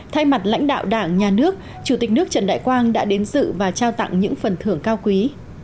thay mặt lãnh đạo đảng nhà nước chủ tịch nước trần đại quang đã đến sự và trao tặng những phần thưởng cao quý